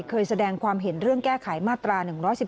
เคยแสดงความเห็นเรื่องแก้ไขมาตรา๑๑๒